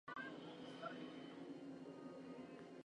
ゲーム実況者の動画を見ていたら、一日が終わった。